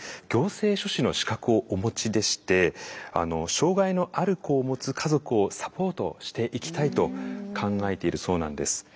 行政書士の資格をお持ちでして障害のある子を持つ家族をサポートしていきたいと考えているそうなんです。